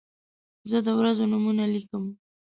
زه د ورځو نومونه لیکم.